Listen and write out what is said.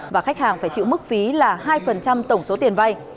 và khách hàng phải chịu mức phí là hai tổng số tiền vay